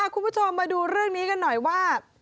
คุณผู้ชมมาดูเรื่องนี้กันหน่อยว่า